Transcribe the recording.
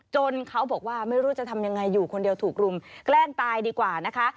เขาบอกว่าไม่รู้จะทำยังไงอยู่คนเดียวถูกรุมแกล้งตายดีกว่านะคะ